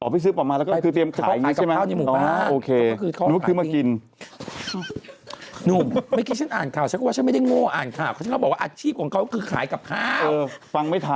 ไปซื้อกับข้าวเลยว่ะตอนตี๓กว่า